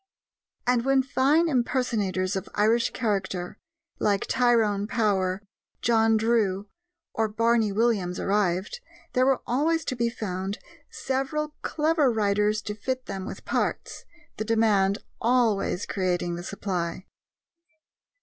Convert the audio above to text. And when fine impersonators of Irish character like Tyrone Power, John Drew, or Barney Williams arrived, there were always to be found several clever writers to fit them with parts, the demand always creating the supply.